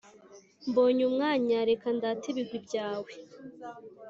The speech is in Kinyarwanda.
mbonye umwanya reka ndate ibigwi byawe ,